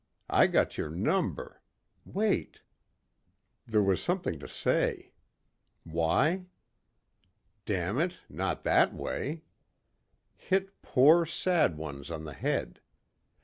I got your number. Wait...." There was something to say. Why? Damn it ... not that way. Hit poor, sad ones on the head.